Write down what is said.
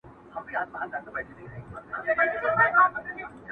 چي ستا په یاد په سپینو شپو راباندي څه تېرېږي!!